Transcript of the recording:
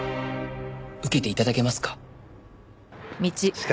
受けて頂けますか？